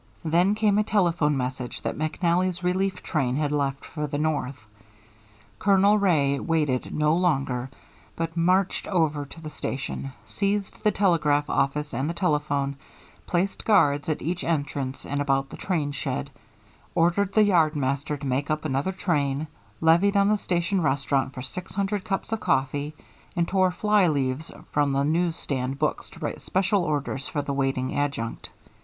Then came a telephone message that McNally's relief train had left for the North. Colonel Wray waited no longer but marched over to the station, seized the telegraph office and the telephone, placed guards at each entrance and about the train shed, ordered the yard master to make up another train, levied on the station restaurant for six hundred cups of coffee, and tore fly leaves from the news stand books to write special orders for the waiting adjutant.